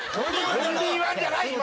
オンリーワンじゃない今は。